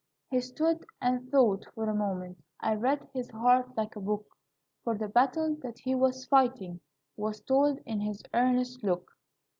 "He stood and thought for a moment; I read his heart like a book, For the battle that he was fighting Was told in his earnest look.